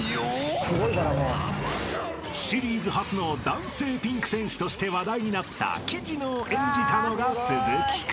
［シリーズ初の男性ピンク戦士として話題になった雉野を演じたのが鈴木君］